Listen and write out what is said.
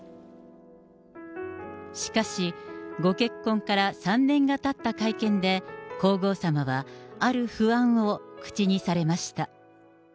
しかし、ご結婚から３年がたった会見で、皇后さまはある不安を口にされました。